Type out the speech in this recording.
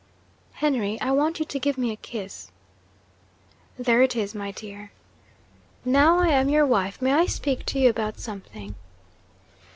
'Henry, I want you to give me a kiss.' 'There it is, my dear.' 'Now I am your wife, may I speak to you about something?'